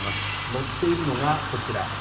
載っているのがこちら。